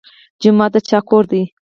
جومات د چا کور دی؟